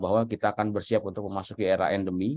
bahwa kita akan bersiap untuk memasuki era endemi